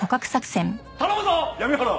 頼むぞ闇原！